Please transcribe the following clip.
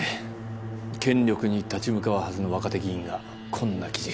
権力に立ち向かうはずの若手議員がこんな記事。